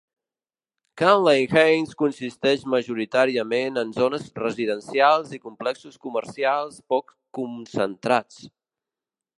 Canley Heights consisteix majoritàriament en zones residencials i complexos comercials poc concentrats.